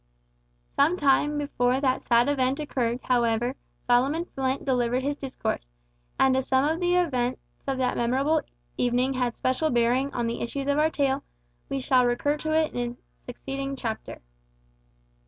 Some time before that sad event occurred, however, Solomon Flint delivered his discourse, and as some of the events of that memorable evening had special bearing on the issues of our tale, we shall recur to it in a succeeding chapter.